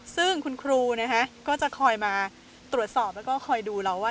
ซึ่งคุณครูก็จะคอยมาตรวจสอบแล้วก็คอยดูเราว่า